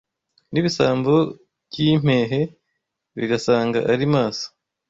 N’ibisambo by’impehe Bigasanga ari maso